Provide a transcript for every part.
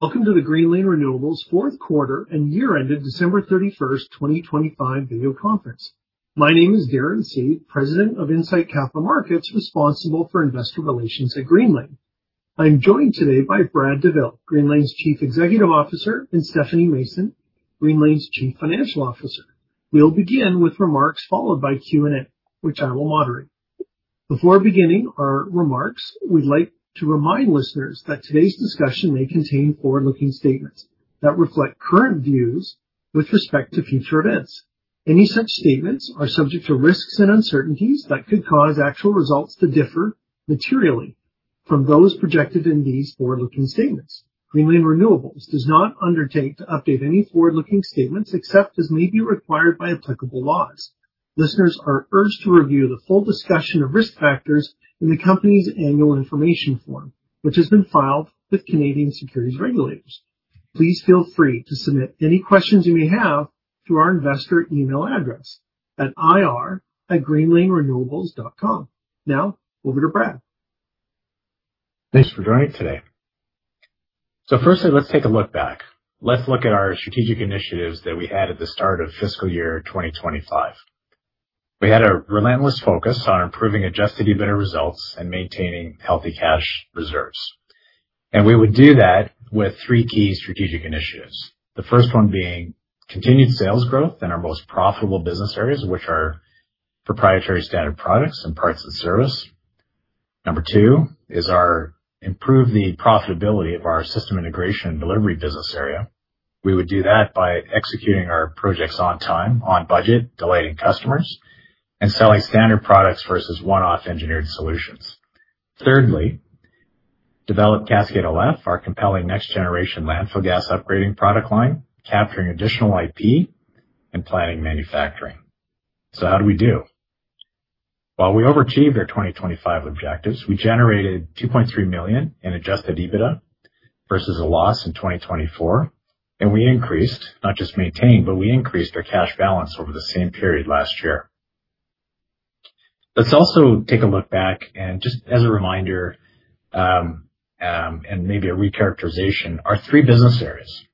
Welcome to the Greenlane Renewables fourth quarter and year-ended December 31, 2025 video conference. My name is Darren Seed, President of Incite Capital Markets, responsible for investor relations at Greenlane. I'm joined today by Brad Douville, Greenlane's Chief Executive Officer, and Stephanie Mason, Greenlane's Chief Financial Officer. We'll begin with remarks followed by Q&A, which I will moderate. Before beginning our remarks, we'd like to remind listeners that today's discussion may contain forward-looking statements that reflect current views with respect to future events. Any such statements are subject to risks and uncertainties that could cause actual results to differ materially from those projected in these forward-looking statements. Greenlane Renewables does not undertake to update any forward-looking statements, except as may be required by applicable laws. Listeners are urged to review the full discussion of risk factors in the company's Annual Information Form, which has been filed with Canadian securities regulators. Please feel free to submit any questions you may have through our investor email address at ir@greenlanerenewables.com. Now over to Brad. Thanks for joining today. Firstly, let's take a look back. Let's look at our strategic initiatives that we had at the start of fiscal year 2025. We had a relentless focus on improving adjusted EBITDA results and maintaining healthy cash reserves. We would do that with three key strategic initiatives. The first one being continued sales growth in our most profitable business areas, which are proprietary standard products and parts and service. Number two is to improve the profitability of our system integration and delivery business area. We would do that by executing our projects on time, on budget, delighting customers, and selling standard products versus one-off engineered solutions. Thirdly, develop Cascade LF, our compelling next generation landfill gas upgrading product line, capturing additional IP and planning manufacturing. How do we do? While we overachieved our 2025 objectives, we generated 2.3 million in adjusted EBITDA versus a loss in 2024. We increased, not just maintained, but we increased our cash balance over the same period last year. Let's also take a look back and just as a reminder, and maybe a recharacterization. Our three business areas,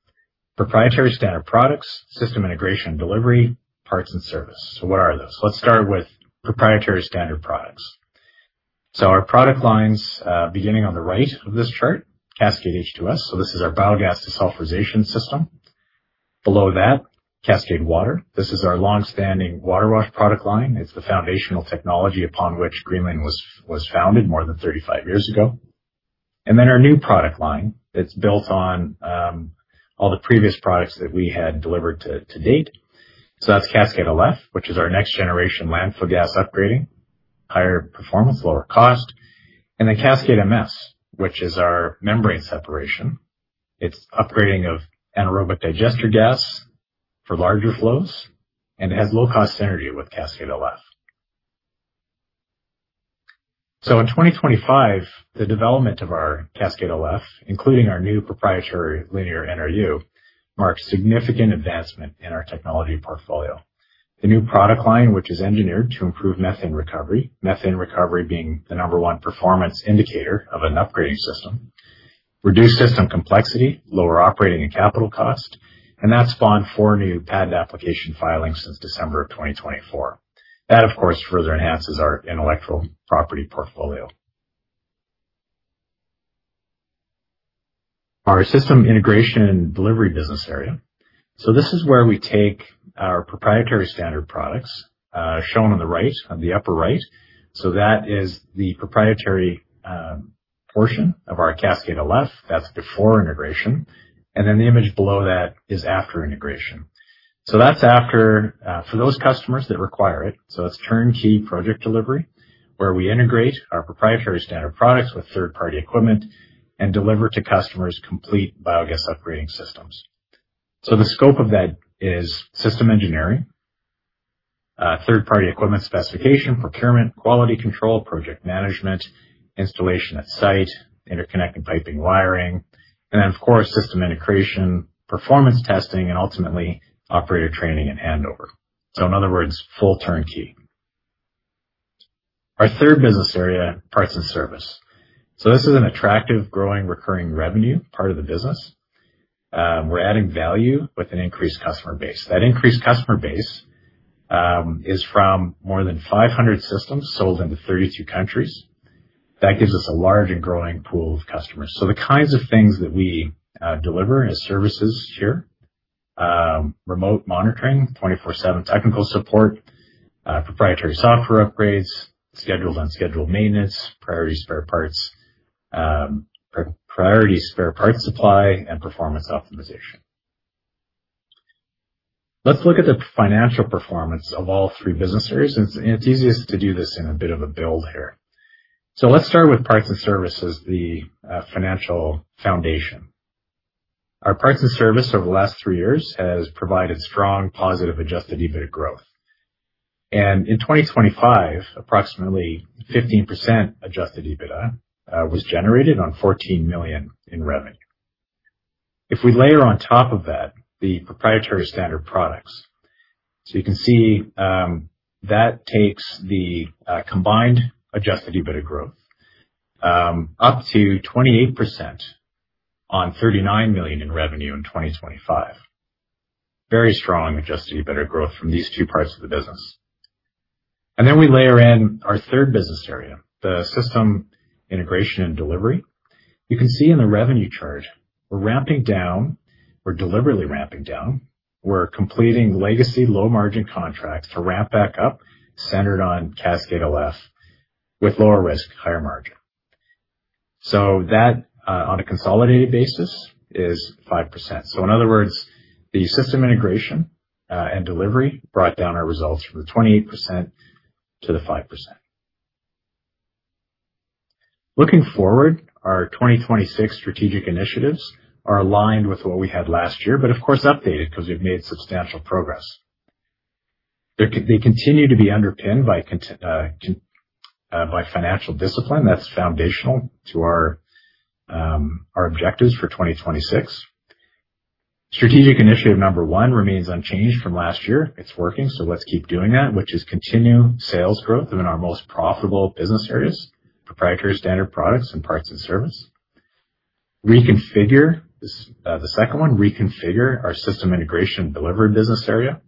proprietary standard products, system integration and delivery, parts and service. What are those? Let's start with proprietary standard products. Our product lines, beginning on the right of this chart, Cascade H2S. This is our biogas desulfurization system. Below that, Cascade H2O. This is our long-standing water wash product line. It's the foundational technology upon which Greenlane was founded more than 35 years ago. Then our new product line that's built on, all the previous products that we had delivered to date. That's Cascade LF, which is our next generation landfill gas upgrading, higher performance, lower cost. Then Cascade MS, which is our membrane separation. It's upgrading of anaerobic digester gas for larger flows, and it has low cost synergy with Cascade LF. In 2025, the development of our Cascade LF, including our new proprietary Linear NRU, marks significant advancement in our technology portfolio. The new product line, which is engineered to improve methane recovery, methane recovery being the number one performance indicator of an upgrading system, reduce system complexity, lower operating and capital cost, and that spawned four new patent application filings since December of 2024. That, of course, further enhances our intellectual property portfolio. Our system integration and delivery business area. This is where we take our proprietary standard products, shown on the right, on the upper right. That is the proprietary portion of our Cascade LF. That's before integration. The image below that is after integration. That's after for those customers that require it. It's turnkey project delivery, where we integrate our proprietary standard products with third-party equipment and deliver to customers complete biogas upgrading systems. The scope of that is system engineering, third-party equipment specification, procurement, quality control, project management, installation at site, interconnect and piping, wiring, and then of course, system integration, performance testing, and ultimately operator training and handover. In other words, full turnkey. Our third business area, parts and service. This is an attractive growing recurring revenue part of the business. We're adding value with an increased customer base. That increased customer base is from more than 500 systems sold into 32 countries. That gives us a large and growing pool of customers. The kinds of things that we deliver as services here, remote monitoring, 24/7 technical support, proprietary software upgrades, scheduled unscheduled maintenance, priority spare parts, priority spare parts supply and performance optimization. Let's look at the financial performance of all three business areas. It's easiest to do this in a bit of a build here. Let's start with parts and service as the financial foundation. Our parts and service over the last three years has provided strong positive adjusted EBITDA growth. In 2025, approximately 15% adjusted EBITDA was generated on 14 million in revenue. If we layer on top of that the proprietary standard products. You can see that takes the combined adjusted EBITDA growth up to 28% on 39 million in revenue in 2025. Very strong adjusted EBITDA growth from these two parts of the business. We layer in our third business area, the system integration and delivery. You can see in the revenue chart we're ramping down. We're deliberately ramping down. We're completing legacy low margin contracts to ramp back up, centered on Cascade LF with lower risk, higher margin. That on a consolidated basis is 5%. In other words, the system integration and delivery brought down our results from the 28% to the 5%. Looking forward, our 2026 strategic initiatives are aligned with what we had last year, but of course updated because we've made substantial progress. They continue to be underpinned by financial discipline that's foundational to our objectives for 2026. Strategic initiative number one remains unchanged from last year. It's working, so let's keep doing that, which is continue sales growth within our most profitable business areas, proprietary standard products and parts and service. Reconfigure the second one, our system integration delivery business area.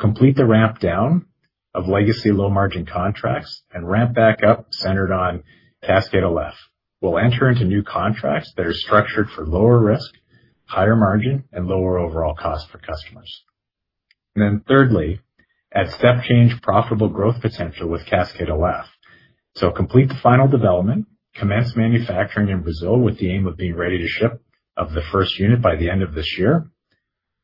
Complete the ramp down of legacy low margin contracts and ramp back up centered on Cascade LF. We'll enter into new contracts that are structured for lower risk, higher margin and lower overall cost for customers. Thirdly, add step change profitable growth potential with Cascade LF. Complete the final development, commence manufacturing in Brazil with the aim of being ready to ship the first unit by the end of this year,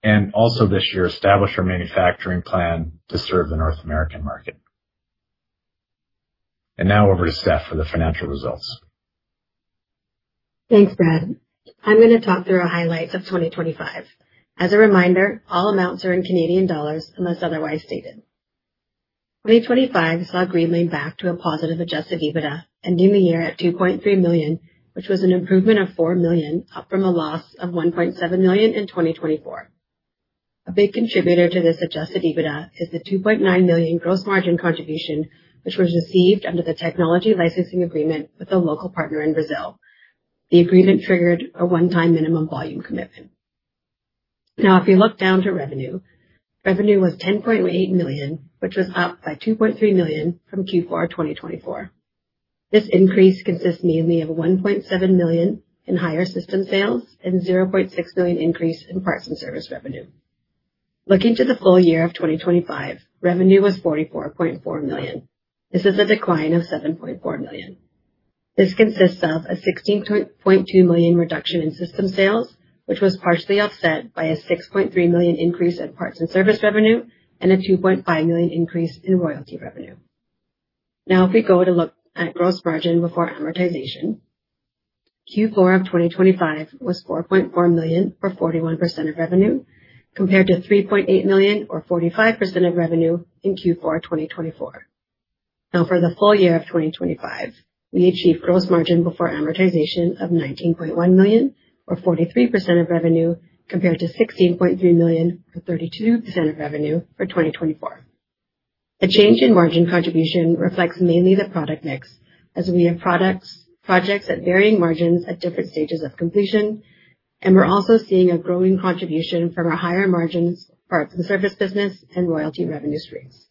and also this year establish our manufacturing plant to serve the North American market. Now over to Steph for the financial results. Thanks, Brad. I'm gonna talk through our highlights of 2025. As a reminder, all amounts are in Canadian dollars unless otherwise stated. 2025 saw Greenlane back to a positive adjusted EBITDA, ending the year at CAD 2.3 million, which was an improvement of CAD 4 million, up from a loss of CAD 1.7 million in 2024. A big contributor to this adjusted EBITDA is the CAD 2.9 million gross margin contribution, which was received under the technology licensing agreement with a local partner in Brazil. The agreement triggered a one-time minimum volume commitment. Now if you look down to revenue was 10.8 million, which was up by 2.3 million from Q4 2024. This increase consists mainly of 1.7 million in higher system sales and 0.6 million increase in parts and service revenue. Looking to the full year of 2025, revenue was 44.4 million. This is a decline of 7.4 million. This consists of a 16.2 million reduction in system sales, which was partially offset by a 6.3 million increase in parts and service revenue, and a 2.5 million increase in royalty revenue. Now, if we go to look at gross margin before amortization, Q4 of 2025 was 4.4 million or 41% of revenue, compared to 3.8 million or 45% of revenue in Q4 of 2024. Now for the full year of 2025, we achieved gross margin before amortization of 19.1 million, or 43% of revenue, compared to 16.3 million, or 32% of revenue for 2024. The change in margin contribution reflects mainly the product mix as we have projects at varying margins at different stages of completion, and we're also seeing a growing contribution from our higher margins parts and service business and royalty revenue streams.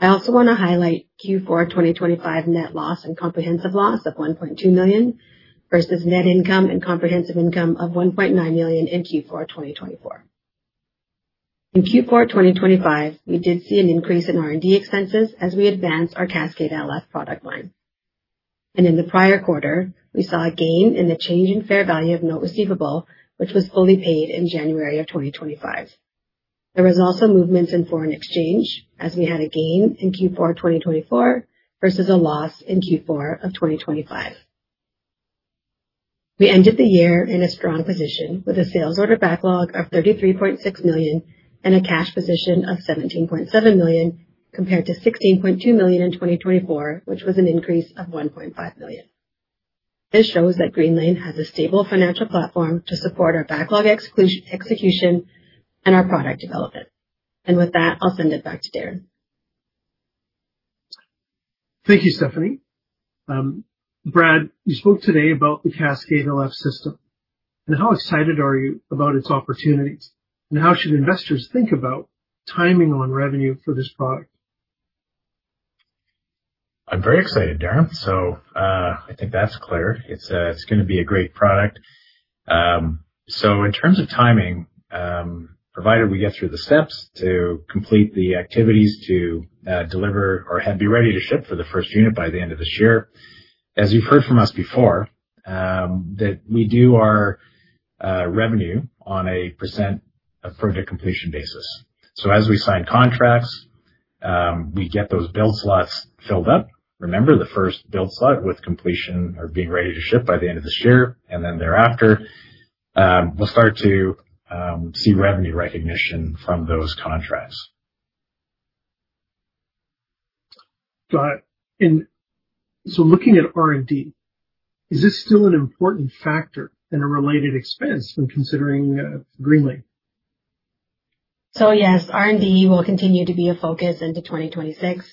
I also wanna highlight Q4 2025 net loss and comprehensive loss of 1.2 million versus net income and comprehensive income of 1.9 million in Q4 of 2024. In Q4 of 2025, we did see an increase in R&D expenses as we advanced our Cascade LF product line. In the prior quarter, we saw a gain in the change in fair value of note receivable, which was fully paid in January of 2025. There was also movements in foreign exchange, as we had a gain in Q4 of 2024 versus a loss in Q4 of 2025. We ended the year in a strong position with a sales order backlog of 33.6 million and a cash position of 17.7 million compared to 16.2 million in 2024, which was an increase of 1.5 million. This shows that Greenlane has a stable financial platform to support our backlog execution and our product development. With that, I'll send it back to Darren. Thank you, Stephanie. Brad, you spoke today about the Cascade LF system and how excited are you about its opportunities, and how should investors think about timing on revenue for this product? I'm very excited, Darren. I think that's clear. It's gonna be a great product. In terms of timing, provided we get through the steps to complete the activities to deliver or have be ready to ship for the first unit by the end of this year. As you've heard from us before, that we do our revenue on a percent of project completion basis. As we sign contracts, we get those build slots filled up. Remember, the first build slot with completion or being ready to ship by the end of this year and then thereafter, we'll start to see revenue recognition from those contracts. Got it. Looking at R&D, is this still an important factor in a related expense when considering Greenlane? Yes, R&D will continue to be a focus into 2026.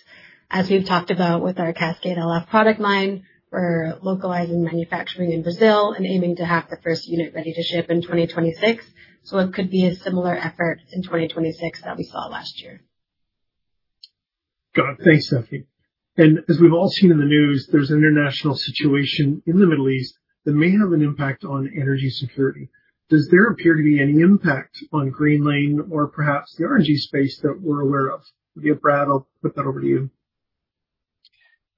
As we've talked about with our Cascade LF product line, we're localizing manufacturing in Brazil and aiming to have the first unit ready to ship in 2026. It could be a similar effort in 2026 that we saw last year. Got it. Thanks, Stephanie. As we've all seen in the news, there's an international situation in the Middle East that may have an impact on energy security. Does there appear to be any impact on Greenlane or perhaps the RNG space that we're aware of? Maybe Brad, I'll put that over to you.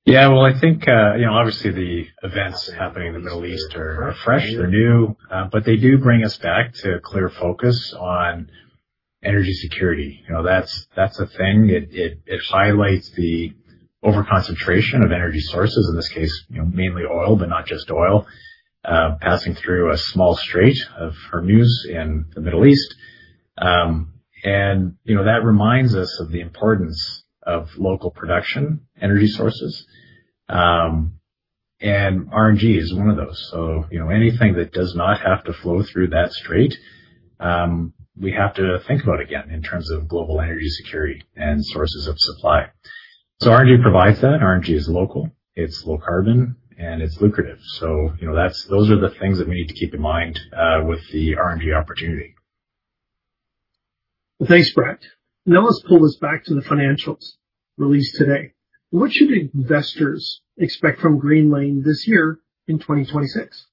Yeah. Well, I think, you know, obviously the events happening in the Middle East are fresh, they're new, but they do bring us back to a clear focus on energy security. You know, that's a thing. It highlights the over-concentration of energy sources, in this case, you know, mainly oil, but not just oil, passing through a small Strait of Hormuz in the Middle East. You know, that reminds us of the importance of local production energy sources. RNG is one of those. You know, anything that does not have to flow through that strait, we have to think about again in terms of global energy security and sources of supply. RNG provides that. RNG is local, it's low carbon, and it's lucrative. You know, those are the things that we need to keep in mind with the RNG opportunity. Thanks, Brad. Now let's pull this back to the financials released today. What should investors expect from Greenlane this year in 2026?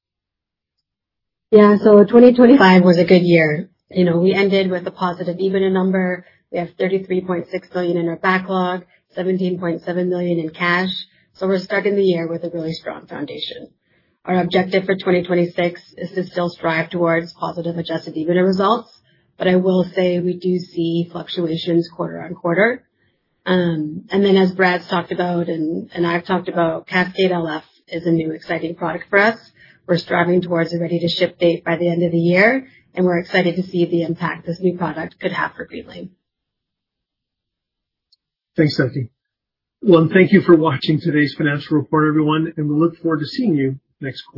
Yeah. 2025 was a good year. You know, we ended with a positive EBITDA number. We have 33.6 billion in our backlog, 17.7 million in cash. We're starting the year with a really strong foundation. Our objective for 2026 is to still strive towards positive adjusted EBITDA results, but I will say we do see fluctuations quarter-on-quarter. As Brad's talked about and I've talked about, Cascade LF is a new exciting product for us. We're striving towards a ready-to-ship date by the end of the year, and we're excited to see the impact this new product could have for Greenlane. Thanks, Stephanie. Well, thank you for watching today's financial report, everyone, and we look forward to seeing you next quarter.